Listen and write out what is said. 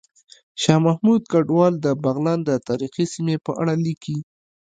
شاه محمود کډوال د بغلان د تاریخي سیمې په اړه ليکلي